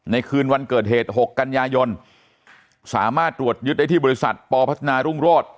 คืนวันเกิดเหตุ๖กันยายนสามารถตรวจยึดได้ที่บริษัทปพัฒนารุ่งโรธ